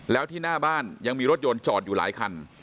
แล้วที่หน้าบ้านยังมีรถยนต์จอดอยู่หลายคัน